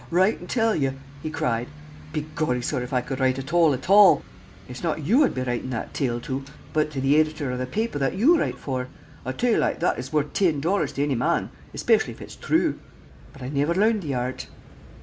"Wroite an' tell ye?" he cried. "Be gorry, sorr, if I could wroite at all at all, ut's not you oi'd be wroitin' that tale to, but to the edithor of the paper that you wroite for. A tale loike that is wort' tin dollars to any man, eshpecially if ut's thrue. But I niver learned the art!"